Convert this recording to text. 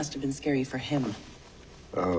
ああ。